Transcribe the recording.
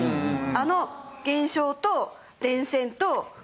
あの現象と電線と鉄。